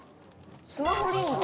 「スマホリング？」